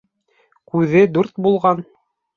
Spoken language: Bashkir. Күҙе дүрт булған.